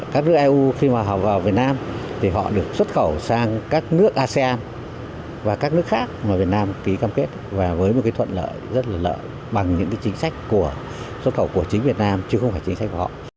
các nước eu khi mà họ vào việt nam thì họ được xuất khẩu sang các nước asean và các nước khác mà việt nam ký cam kết và với một cái thuận lợi rất là lợi bằng những chính sách của xuất khẩu của chính việt nam chứ không phải chính sách của họ